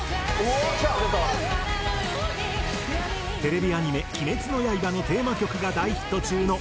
テレビアニメ『鬼滅の刃』のテーマ曲が大ヒット中のＡｉｍｅｒ。